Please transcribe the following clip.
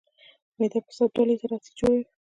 معده په ساعت دوه لیټره اسید جوړوي.